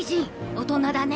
大人だね。